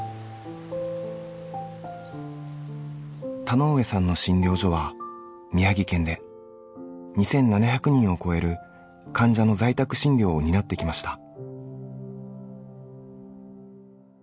田上さんの診療所は宮城県で２７００人を超える患者の在宅診療を担ってきました。